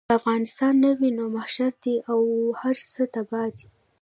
که افغانستان نه وي نو محشر دی او هر څه تباه دي.